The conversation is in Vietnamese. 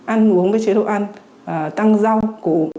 ăn uống với chế độ ăn tăng rau củ